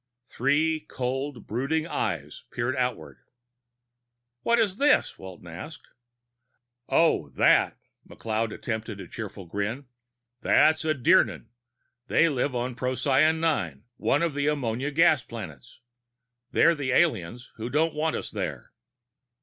Three cold, brooding eyes peered outward. "What's this?" Walton asked. "Oh, that." McLeod attempted a cheerful grin. "That's a Dirnan. They live on Procyon IX, one of the ammonia giant planets. They're the aliens who don't want us there."